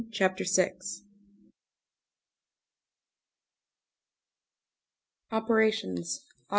CHAPTER VI OPERATIONS: AUG.